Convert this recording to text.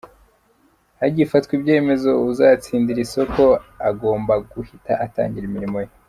Hagifatwa ibyemezo uzatsindira isoko agomba guhita atangira imirimo ye .